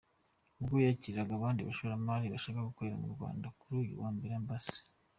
Ubwo yakiraga abandi bashoramari bashaka gukorera mu Rwanda, kuri uyu wa Mbere, Amb.